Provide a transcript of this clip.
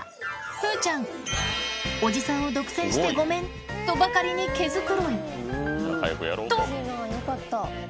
風ちゃん「おじさんを独占してごめん」とばかりにと！